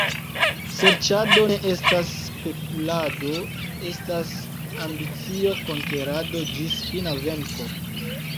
Serĉado ne estas spekulado, estas ambicio, konkerado ĝis fina venko.